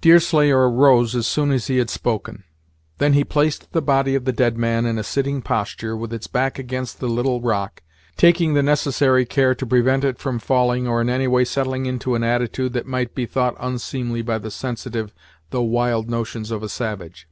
Deerslayer arose as soon as he had spoken. Then he placed the body of the dead man in a sitting posture, with its back against the little rock, taking the necessary care to prevent it from falling or in any way settling into an attitude that might be thought unseemly by the sensitive, though wild notions of a savage.